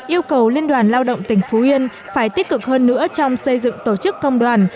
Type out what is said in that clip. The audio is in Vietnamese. yêu cầu liên đoàn lao động tỉnh phú yên phải tích cực hơn nữa trong xây dựng tổ chức công đoàn